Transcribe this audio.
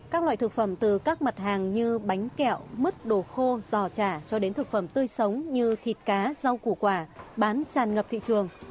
các loại thực phẩm từ các mặt hàng như bánh kẹo mứt đồ khô giò chả cho đến thực phẩm tươi sống như thịt cá rau củ quả bán tràn ngập thị trường